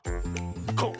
こう。